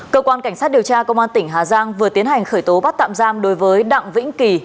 cơ quan cảnh sát điều tra công an tỉnh hà giang vừa tiến hành khởi tố bắt tạm giam đối với đặng vĩnh kỳ